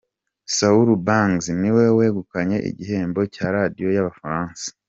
Soul Bang's niwe wegukanye igihembo cya radiyo y'Abafaransa.